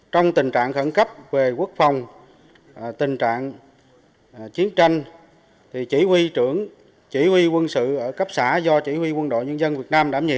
trong tình trạng khẩn cấp về quốc phòng tình trạng chiến tranh thì chỉ huy trưởng chỉ huy quân sự ở cấp xã do chỉ huy quân đội nhân dân việt nam đảm nhiệm